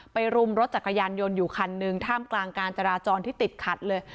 รุมรถจักรยานยนต์อยู่คันหนึ่งท่ามกลางการจราจรที่ติดขัดเลย